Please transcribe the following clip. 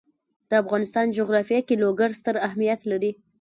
د افغانستان جغرافیه کې لوگر ستر اهمیت لري.